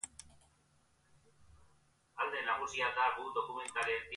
Joanak ziren, baina tiroka jarraitu nuen.